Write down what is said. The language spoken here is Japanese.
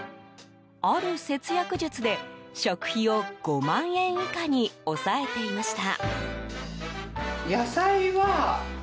ある節約術で、食費を５万円以下に抑えていました。